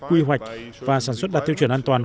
quy hoạch và sản xuất đạt tiêu chuẩn an toàn